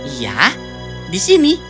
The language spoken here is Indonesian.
iya di sini